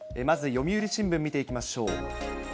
まず、読売新聞見ていきましょう。